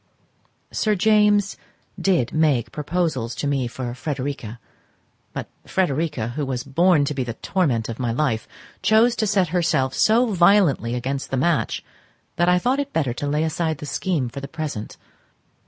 Sir James did make proposals to me for Frederica; but Frederica, who was born to be the torment of my life, chose to set herself so violently against the match that I thought it better to lay aside the scheme for the present.